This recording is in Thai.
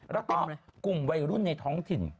แล้วก็กลุ่มวัยรุ่นในท้องถิ่น